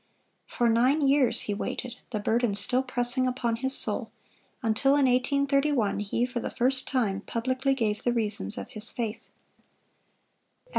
For nine years he waited, the burden still pressing upon his soul, until in 1831 he for the first time publicly gave the reasons of his faith.